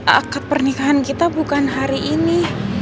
akad pernikahan kita bukan hari ini